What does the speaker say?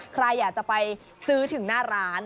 ใครอยากจะไปซื้อถึงหน้าร้าน